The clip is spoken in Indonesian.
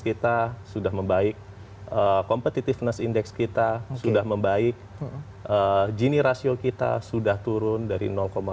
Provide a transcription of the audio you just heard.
kita sudah membaik competitiveness index kita sudah membaik gini rasio kita sudah turun dari